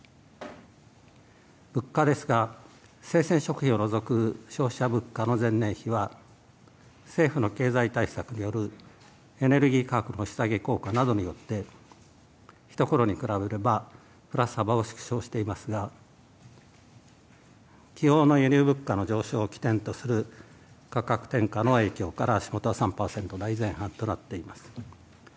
物価ですが、生鮮食品を除く消費者物価の前年比は政府の経済対策によるエネルギー価格の効果によって、ひところに比べればプラス幅を縮小していますが、の輸入物価の上昇を起点とする価格転嫁の影響からとなっています。